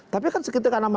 tapi kan sekitar nama